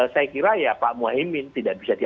saya kira ya pak muhaymin tidak bisa